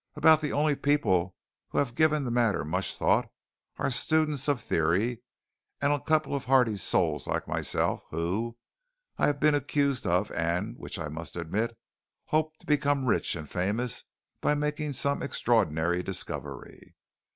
About the only people who have given the matter much thought are students of theory, and a couple of hardy souls like myself, who I have been accused and of which I must admit hoped to become rich and famous by making some extraordinary discovery.